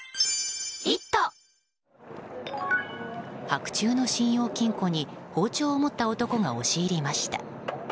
白昼の信用金庫に包丁を持った男が押し入りました。